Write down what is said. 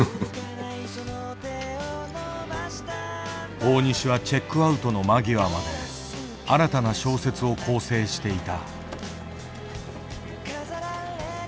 大西はチェックアウトの間際まで新たな小説を校正していた。